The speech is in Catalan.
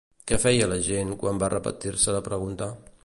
Què feia la gent, quan va repetir-se la pregunta?